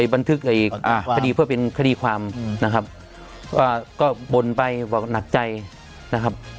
บันทึกคดีเพื่อเป็นคดีความนะครับว่าก็บ่นไปบอกหนักใจนะครับ